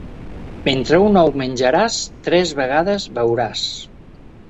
Mentre un ou menjaràs tres vegades beuràs.